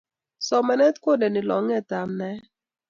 somanet kondeni longet ap naet